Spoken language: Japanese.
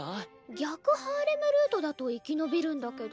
逆ハーレムルートだと生き延びるんだけど。